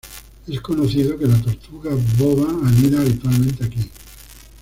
Es conocido que la tortuga boba anida habitualmente aquí.